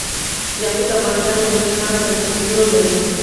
یاقوت د افغانستان د ټولنې لپاره بنسټيز رول لري.